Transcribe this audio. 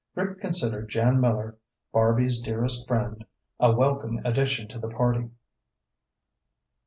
Rick considered Jan Miller, Barby's dearest friend, a welcome addition to the party.